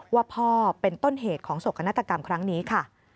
ว่าพ่อเป็นต้นเหตุของโศกนาฏกรรมครั้งนี้ค่ะ